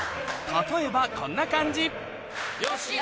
例えばこんな感じ